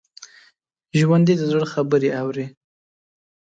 ژوندي د زړه خبرې اوري